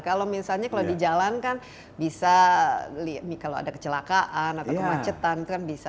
kalau misalnya kalau di jalan kan bisa kalau ada kecelakaan atau kemacetan itu kan bisa